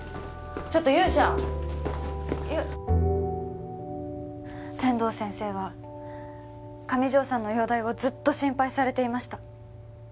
ちょっと勇者天堂先生は上条さんの容体をずっと心配されていました